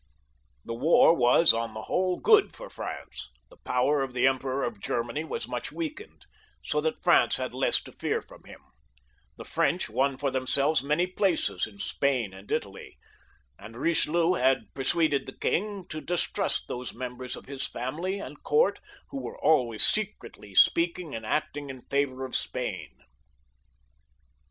The war was, on the whole, good for France ; the power of the Emperor of Germany was much weakened, so that France had less to fear ftom him; the French won for themselves many places in Spain and Italy, and Eichelieu had persuaded the king to distrust those members of his family and court who were always secretly speaking and acting in favour of Spain.